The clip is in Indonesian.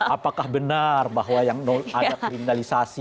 apakah benar bahwa yang ada kriminalisasi